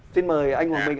xin mời anh hoàng minh ạ